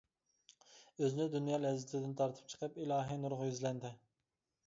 ئۆزىنى دۇنيا لەززىتىدىن تارتىپ چىقىپ ئىلاھى نۇرغا يۈزلەندى.